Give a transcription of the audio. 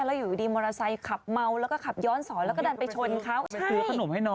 แล้วอยู่ดีมอเตอร์ไซต์ขับเมาแล้วก็ขับย้อนสอนแล้วก็ดันไปชนเขา